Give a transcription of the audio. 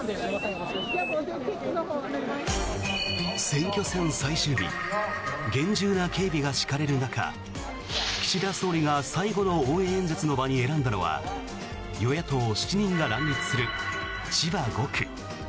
選挙戦最終日厳重な警備が敷かれる中岸田総理が最後の応援演説の場に選んだのは与野党７人が乱立する千葉５区。